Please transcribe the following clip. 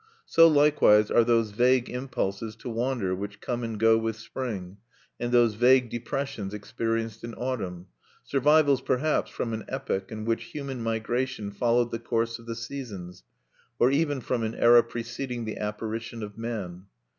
So likewise are those vague impulses to wander which come and go with spring, and those vague depressions experienced in autumn, survivals, perhaps, from an epoch in which human migration followed the course of the seasons, or even from an era preceding the apparition of man.